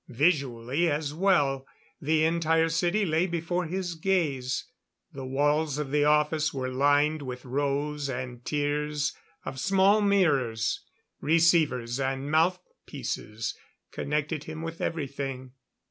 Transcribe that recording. Visually as well, the entire city lay before his gaze the walls of the office were lined with rows and tiers of small mirrors; receivers and mouthpieces connected him with everything.